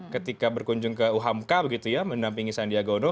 ketika berkunjung ke umk begitu ya menampingi sandiaga uno